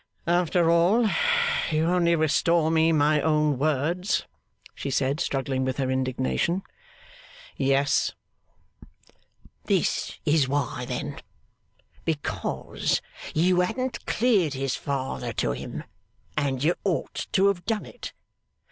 'After all, you only restore me my own words,' she said, struggling with her indignation. 'Yes.' 'This is why, then. Because you hadn't cleared his father to him, and you ought to have done it.